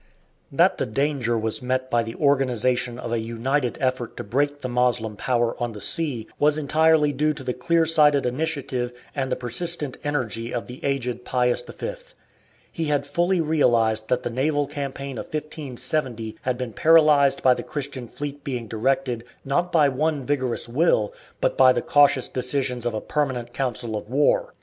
That the danger was met by the organization of a united effort to break the Moslem power on the sea was entirely due to the clear sighted initiative and the persistent energy of the aged Pius V. He had fully realized that the naval campaign of 1570 had been paralysed by the Christian fleet being directed, not by one vigorous will, but by the cautious decisions of a permanent council of war.